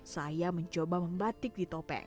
saya mencoba membatik di topeng